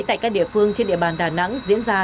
tại các địa phương trên địa bàn đà nẵng diễn ra